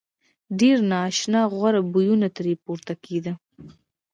ډېر نا آشنا غوړ بویونه ترې پورته کېدل.